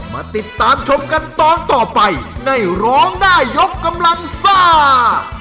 มาติดตามชมกันตอนต่อไปในร้องได้ยกกำลังซ่า